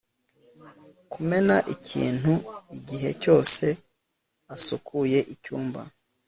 kumena ikintu igihe cyose asukuye icyumba